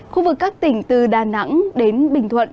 khu vực các tỉnh từ đà nẵng đến bình thuận